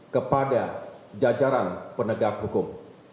kepada jajaran penegak hukum